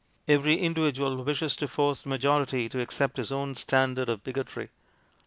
Every individual wishes to force the majority to accept his own standard of bigotry.